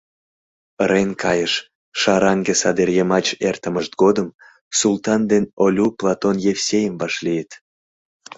Ырен кайышШараҥге садер йымач эртымышт годым Султан ден Олю Платон Евсейым вашлийыт.